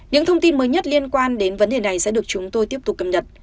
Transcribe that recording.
những thông tin mới nhất liên quan đến vấn đề này sẽ được chúng tôi tiếp tục cập nhật